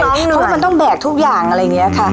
ลูกน้องเหนื่อยเพราะว่ามันต้องแบกทุกอย่างอะไรอย่างเงี้ยค่ะ